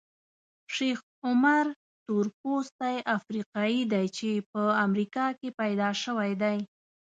شیخ عمر تورپوستی افریقایي دی چې په امریکا کې پیدا شوی دی.